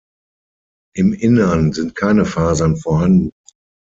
Im Innern sind keine Fasern vorhanden.